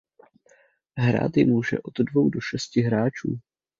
Hrát ji může od dvou do šesti hráčů.